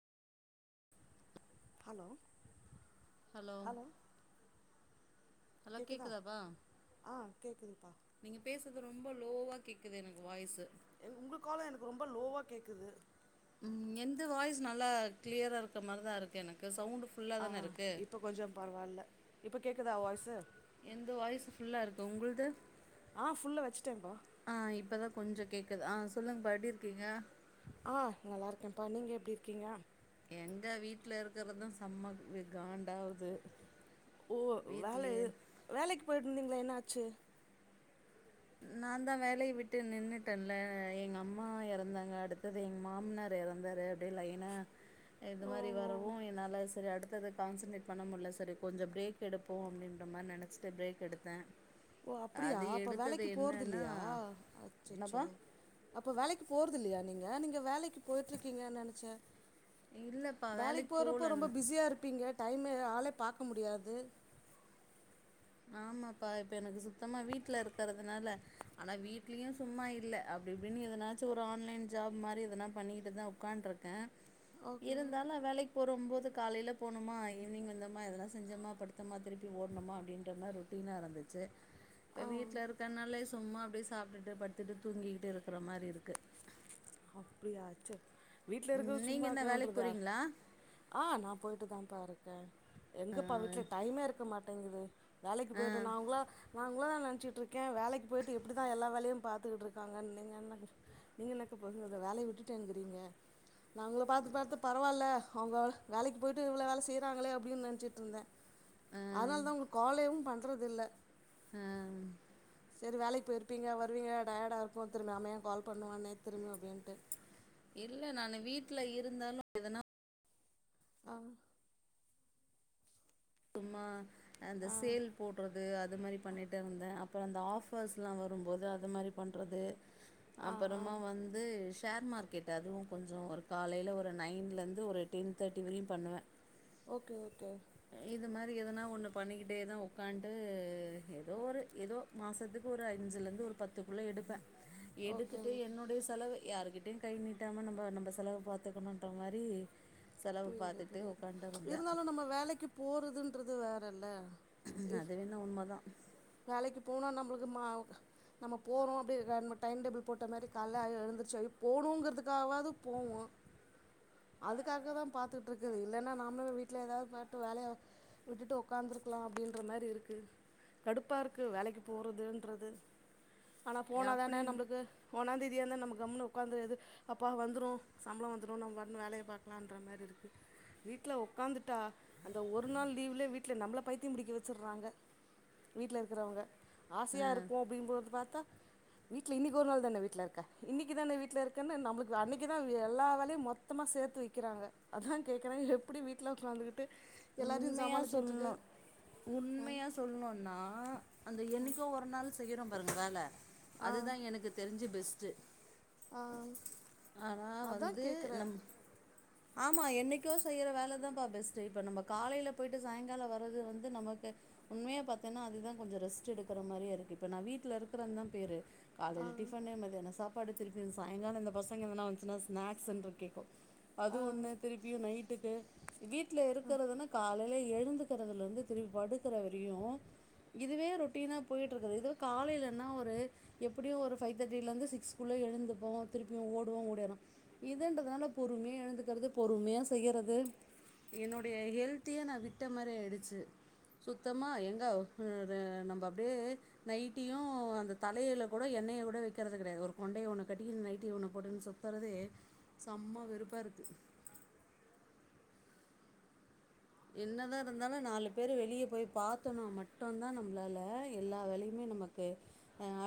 hello hello hello கேக்குதா கேக்குதாப்பா ஆ கேக்குதுப்பா நீங்க பேசுறது ரொம்ப லோவா கேக்குது எனக்கு வாய்சு எங் உங்க காலு எனக்கு ரொம்ப லோவா கேக்குது ம் எந்து வாய்ஸ் நல்லா க்ளியரா இருக்க மார்தா இருக்கு எனக்கு சவுண்டு ஃபு ஆ இப்பொ கொஞ்சம் பரவால்ல இப்ப கேக்குதா வாய்சு எந்து வாய்ஸ் ஃபுல்லா இருக்கு உங்குள்து ஆ ஃபுல்லா வச்சுட்டேன்பா ஆ இப்பதா கொஞ்சொ கேக்குது ஆ சொல்லுங்பா எப்டி இருக்கீங்க ஆ நல்லாருக்கேப்பா நீங்க எப்டி இருக்கீங்க எங்க வீட்ல இருக்கறதா செம்ம காண்டாவுது ஓ வேல வீட்லயே இது வேலைக்கு போய்ட்டு இருந்தீங்களே என்ன ஆச்சு நா தா வேலய விட்டு நின்னுட்டேன்ல எங்க அம்மா எறந்தாங்க அடுத்தது எங்க மாம்னார் எறந்தாரு அப்டே லைனா இது ஓ மாரி ஓ வரவூ என்னால சரி அடுத்தது கான்சன்ட்ரேட் பண்ண முட்ல சரி கொஞ்சொ பிரேக் எடுப்போ அப்டின்ற மார் நெனச்சிட்டு பிரேக் எடுத்தே ஓ அப்டியா அது அப்ப எடுத்தது வேலைக்கு போறது என்னன்னா இல்லையா என்னப்பா அச்சச்சோ அப்ப வேலைக்கு போறது இல்லையா நீங்க நீங்க வேலைக்கு போயிட்ருக்கீங்கன்னு நெனச்சே இல்லப்பா வேலைக் வேலைக்கு போறப்போ போலன் ரொம்ப பிஸியா இருப்பீங்க டைமே ஆளே பாக்க முடியாது ஆமாப்பா இப்ப எனக்கு சுத்தமா வீட்ல இருக்கறதுனால ஆனா வீட்லயு சும்மா இல்ல அப்டிப்டின்னு எதனாச்சு ஒரு ஆன்லைன் ஜாப் மாரி எதனா பண்ணிகிட்டுதா உக்காண்ட்ருக் ஓகே இருந்தாலு வேலைக் போரும்போது காலையில போணுமா ஈவினிங் வந்தம்மா எதனா செஞ்சம்மா படுத்தமா திருப்பி ஓட்ணுமா அப்டின்னு ன்ற மாரி ரொட்டினா இருந்துச்சு ஆ இப்ப வீட்ல இருக் தன்னாலயே சும்மா அப்டியே சாப்ட்டுட்டு படுத்துட்டு தூங்கிக்கிட்டு இருக்குற மாரி இருக்கு அப்டியா சொ வீட்ல ம் இருக்கிறது நீங்க சும்மா என்ன வேலைக்கு இருக்கன்றதா போறீங்களா ஆ நா போயிட்டு தான்ப்பா இருக்கே ஆ எங்கப்பா வீட்ல டைமே இருக்க மாட்டேங்குது வேலைக்கு ஆ போயிட்டு நா அவுங்ள நா ஒங்கள தா நெனச்சிட்டுருக்கே வேலைக்கு போயிட்டு எப்டிதா எல்லா வேலையு பாத்துக்கட்ருக்காங்கன் நீங்க என்னங்க நீங்க என்ன இப்ப [unintelligible] வேலய விட்டுட்டேன்ங்கிறீங்க நா உங்கள பாத்து பாத்து பரவால்ல அவுங்க வேலைக்கு போயிட்டு இவ்ளோ வேல செய்கிறாங்களே அப்டின்னு நெனச்சிட்ருந்தேன் ஆ அதனால தா உங்களுக்கு காலே வும் பண்றது இல்ல அ ம் சரி வேலைக்கு போயிருப்பீங்க வருவீங்க டயர்டாக இருக்கும் திரும்ப நம்ம யேன் கால் பண்ணுவான்னே திரும்பவும் அப்படீன்ட்டு இல்லை நான் வீட்ல இருந்தாலும் ஆ சும்மா அந்த ஆ சேல் போடுறது அது மாரி பண்ணிட்டே இருந்தே அ அப்றோம் அந்த ஆஃபர்ஸ்லா வரும்போது அது மாரி பண்றது ஆ ஆ அப்றமா வந்து ஷேர் மார்கெ கெட் அதுவும் கொஞ்ச ஒரு காலையில ஒரு நைன்லேருந்து ஒரு டென் தேர்ட்டி வரையு பண்ணுவே ஓகே ஓகே இது மாரி எதனா ஒன்னு பண்ணிட்டே தா உட்கான்டு ஏதோ ஒரு ஏதோ மாசத்துக்கு ஒரு அஞ்சுலருந்து ஒரு பத்துக்குள்ள எடுப்பே ஓகே எடுத்துட்டு ஓகே என்னுடைய செ செலவு யாருக்கிட்டையு கை நீட்டாம நம்ம நம்ம செலவ பாத்துக்கணுன்ற மாரி புரிது புரிது இருந்தாலு நம்ம வேலைக்கு போறதுன்றது வேறல்ல இஃப் அதுவேனா உண்மதா வேலைக்கு போனா நம்ளுக்கு மா நம்ம போறோ அப்டி ரெ டைம் டேபிள் போட்ட மாரி காலயில்ய எழுந்துருச்சு ஐ போணுங்கறதுக்காவது போவோ அதுக்காக தா பாத்துட்டு இருக்குது இல்லைன்னா நாமளு வீட்ல ஏதாவது பாட்டு வேலைய விட்டுட்டு உட்காந்துருக்கலாம் அப்டின்ற மாதிரி இருக்கு கடுப்பாக இருக்கு வேலைக்கு போறதுன்றது ஆனா போனா தான அப்படி நம்மளுக்கு ஒன்னா தேதியானா நம்ம கம்முனு உட்காந்துறது அப்பா வந்துரும் சம்பளம் வந்துரும் நம்ம பாட்டுன்னு வேலையை பாக்கலான்ற மாதிரி இருக்கு வீட்ல உக்காந்துட்டா அந்த ஒரு நாள் லீவ்லே வீட்டு்ல நம்மள பைத்தியம் பிடிக்க வச்சடுறாங்க வீட்ல இருக்கிறவங்க ஆசயா இருக்கு அப்படின்பொம்பது பாத்தா வீட்ல இன்னைக்கு ஒரு நாள் தான வீட்ல இருக்கன இன்னைக்கு தான வீட்டல இருக்குன்னு நம்மளுக்கு அன்னைக்கு தா எல்லா வேலையு மொத் த்தமா சேத்து வைக்கிறாங்க அதா கேக்குறே எப்டி வீட்ல உக்காந்துட்டு எல்லாரையு உண்மையா சொல்லணு சமாளிச்சிக்ட்டுருக்க அ நா அந்த என்னைக்கோ ஒரு நாள் செய்யிறோ பாருங்க வேல ஆ அதுதா எனக் தெரிஞ்சு பெஸ்ட் ஆ ஆனா அதா வந்து கேக்குறே நம் ஆமா என்னைக்கோ செய்ற வேல தாப்பா பெஸ்ட் இப்ப நம்ப காலையில போயி்ட்டு சாயங்கால வர்றது வந்து நமக்கு உண்மையா பத்தேன்னா அதுதா கொஞ்ச ரெஸ்ட் எடுக்கிற மாரியே இருக்கு இப்ப நா வீட்ல இருக்கிறன்தா பேரு காலைல டிஃபனு மதியான சாப் பாடு திருப்பியு சாயங்கால இந்த பசங்க எதுனா வந்துச்சுன்னா ஸ்நாக்ஸுனு கேட்கு அது ஒன்னு திருப்பியு நைட்டுக்கு வீட்ல இருக் இருக்கிறதுன்னா காலையில எழுந்துக்கறதுல இருந்து திருப்பி படுக்கிறவரையு இதுவே ரொட்டீனா போயிட்ருக்குது இதுவே காலையிலன்னா ஒரு எப்டியு ஒரு ஃவைவ் தேட்டில இருந்து சிக்ஸ்குள்ள எழுந்துப்போ திருப்பி ஓடுவோ ஓடியேறோ இதுன்றதுனால பொறுமையா எழுந்துக்கறது பொறுமையா செய்யறது என்னோ பே ஹெல்த்தியே நா விட்ட மாரி ஆய்டுச்சி சுத்தமாக எங்க ம் ரே நம்ப அப்டியே நைட்டியு அந்த தலையில கூட எண்ணெய கூட வைக்கிறது கிடையாது ஒரு கொண்டைய ஒண்ணு கட்டிக்னு நைட்டி ஒண்ணு போட்டுக்னு சொ தறதே செம்மா வெறுப்பா இருக்கு என்னதா இருந்தாலு நாலு பேர் வெளிய போய் பாத்தனு மட்டுதா நம்மளால எல்லா வேலையுமே நமக்கு